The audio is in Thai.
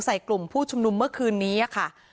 กลุ่มผู้ชุมนุมเมื่อคืนนี้ค่ะ